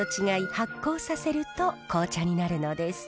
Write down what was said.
発酵させると紅茶になるのです。